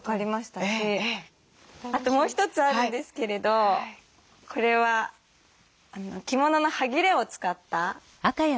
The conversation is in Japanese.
あともう一つあるんですけれどこれは着物のはぎれを使ったマフラーなんですけど。